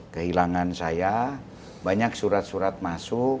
kehilangan saya banyak surat surat masuk